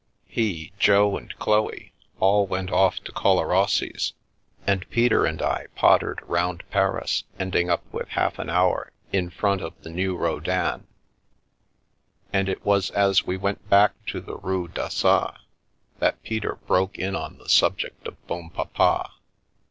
He, Jo and Chloe all went off to Collarossi's, and The Milky Way Peter and I pottered round Paris, ending up with half an hour in front of the new Rodin, and it was as we went back to the Rue d'Assas that Peter broke in on the subject of Bonpapa.